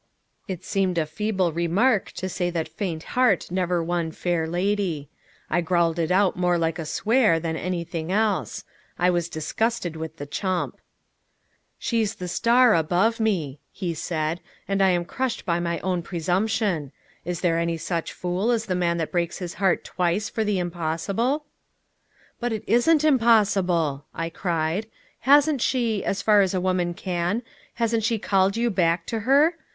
It seemed a feeble remark to say that faint heart never won fair lady. I growled it out more like a swear than anything else. I was disgusted with the chump. "She's the star above me," he said; "and I am crushed by my own presumption. Is there any such fool as the man that breaks his heart twice for the impossible?" "But it isn't impossible," I cried. "Hasn't she as far as a woman can hasn't she called you back to her?